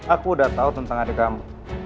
aku udah tahu tentang adik kamu